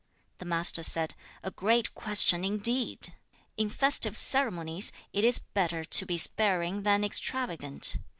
2. The Master said, 'A great question indeed! 3. 'In festive ceremonies, it is better to be sparing than extravagant.